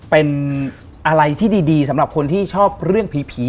เป็นอะไรที่ดีสำหรับคนที่ชอบเรื่องผี